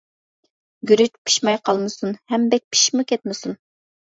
گۈرۈچ پىشماي قالمىسۇن ھەم بەك پىشىپمۇ كەتمىسۇن.